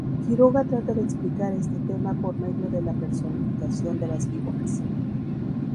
Quiroga trata de explicar este tema por medio de la personificación de las víboras.